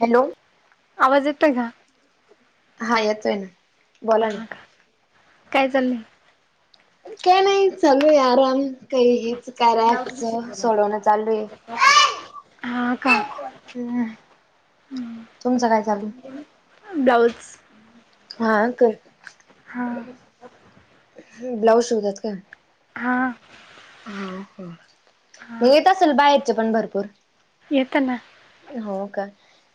Hello आवाज येतोय का? हा येतोय ना बोला ना. हा का काय चाललंय? काय नाही चालू आहे आराम काही हेच. कर्याकचं सोडवणं चालूये. हा का हम्म, हम्म तुमचं काय चालू? ब्लाऊज. हा हा कर. हा. हम् ब्लाऊज शीवतात का? हा. हा, म हा येत असेल बाहेरचे पण भरपूर? येत ना हो का,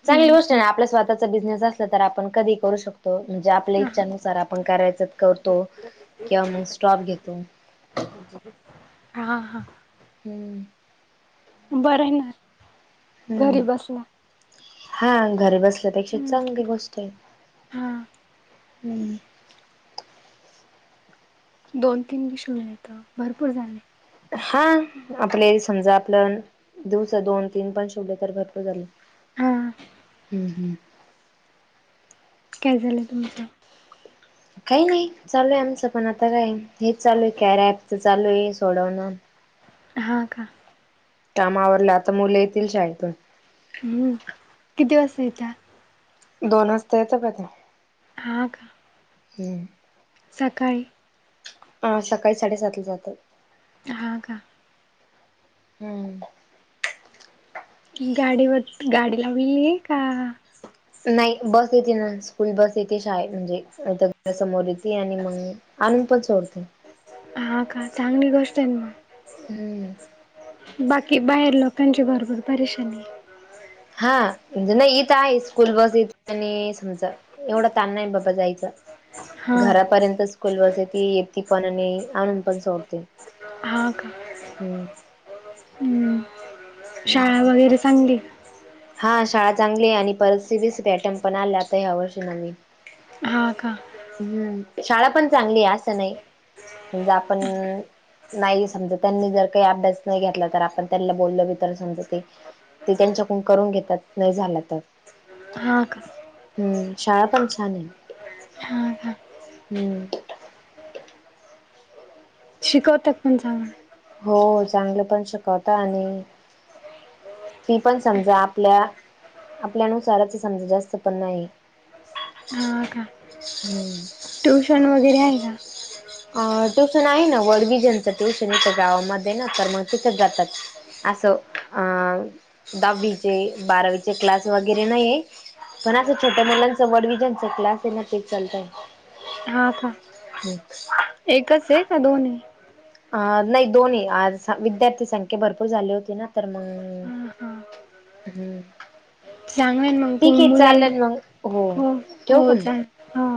चांगली हम्म गोष्ट आहे आपल्या स्वतःचा बिझनेस असला तर आपण कधी करू शक म्हणजे आपल्या हा इच्छानुसार आपण करायच करतो किंवा मग स्टॉप घेतो. [inaudible] हा हा. हम्म. बरं हाय ना. घरी हम्म, बसला हा घरी बस त्यापेक्षा हम्म चांगली गोष्ट आहे, हा हम्. दोन-तीन बी शीवले भरपूर झाले. हा आपले समजा आपलं दिवसा दोन-तीन पण शिवले तर भरपूर झाले. हा. हम् हम्. काय झालं तुमचं? काई नाई चालूय आमचं पण आता काये हेच चालू आहे कार्य एपचं चालूये सोडवणं. हा का? काम आवरलं आता मुलं येतील शाळेतून. हम्म किती वाजता येता? दोन वाजता येता [unintelligible] हा का? हम्म. सकाळी. हा सकाळी साडेसातला जातात. हा का? [inaudible] हम्म. गाडीवर गाडी हविये का? नाही बस येते ना स्कूल बस येते शाळे म्हणजे ईथ घरा समोर येते आणि मंग. आणुन पण सोडते. हा का? चांगली गोष्ट ये ना. हम्म. बाकी बाहेर लोकांची भरपूर परेशानी. हा म्हणजे नाई इथं आहे स्कूल बस येती आणि समजा एवढा तान नाई बाबा जायचा हा. घरापर्यंतच् स्कूल बस येती येती पण अनी आणून पण सोडते हा का? हम्म. हम्म. हम्. [unintelligible] वगैरे सांगी. हा शाळा चांगलीय आणि परत सि बी सी पॅटर्न पण आला आता ह्या वर्षी नवीन. का? हा का? हम्म शाळा पण चांगलीय असं नाई समजा आपण् नाई समजा, त्यांनी जर काई अभ्यास नाई घेतला तर आपण त्यांनला बोललो बी तर समजा ते ते त्यांच्याकून करून घेतात नाई झाला तर. हा का. हम्म शाळा पण छान आहे. हा का? हम्म. शिकवत्यात पण चांगलं. हो चांगलं पण शिकवता आणि फी पण समजा आपल्या आपल्यानुसाराच समजा जास्त पण नाही, हा का? हम्म. ट्युशन वगैरे आहे का? अ ट्युशन आहे ना [unintelligible] ज्यांचं ट्युशन आहे गावामध्ये ना तर मग तिथंच जातात. असं अं दहावीचे, बारावीचे क्लास वगैरे नाहीये. पण असं छोट्या मुलांचं वड विजांचा क्लास आहे ना ते चालतात. हा का? एकच आहे का दोनय? अ नाही दोनय आज विद्यार्थी संख्या भरपूर झाली होती ना तर मग हा हा. हम्म. चांगलं मग ठीक आहे मुलांना चालेल मग हो ठेवू का हो मग? चां हो.